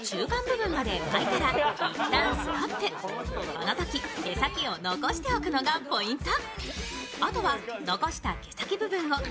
このとき、毛先を残しておくのがポイント。